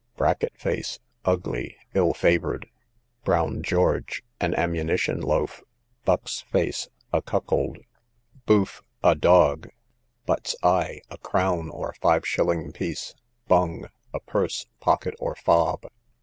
Bracket face, ugly, ill favoured. Brown George, an ammunition loaf. Buck's face, a cuckold. Bufe, a dog. Butt's eye, a crown, or five shilling piece. Bung, a purse, pocket, or fob.